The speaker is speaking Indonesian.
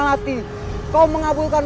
credit membaumu untuk si piang